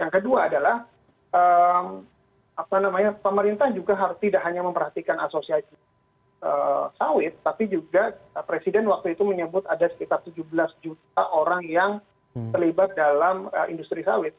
yang kedua adalah pemerintah juga tidak hanya memperhatikan asosiasi sawit tapi juga presiden waktu itu menyebut ada sekitar tujuh belas juta orang yang terlibat dalam industri sawit